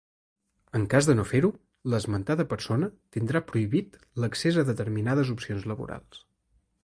En cas de no fer-ho, l'esmentada persona tindrà prohibit l'accés a determinades opcions laborals.